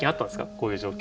こういう状況。